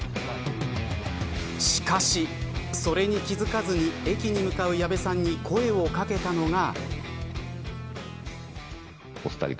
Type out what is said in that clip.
しかしそれに気付かずに駅に向かう矢部さんに声を掛けたのが。